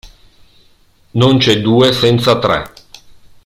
Non c'è due senza tre.